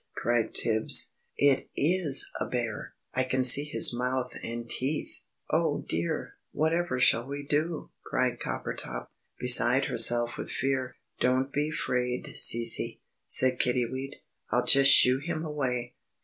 cried Tibbs. "It is a bear, I can see his mouth and teeth." "Oh, dear! Whatever shall we do?" cried Coppertop, beside herself with fear. "Don't be 'fraid, Cece," said Kiddiwee; "I'll just shoo him away."